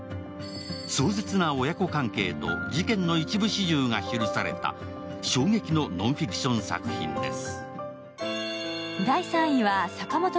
壮絶な親子関係と事件の一部始終が記された衝撃のノンフィクション作品です。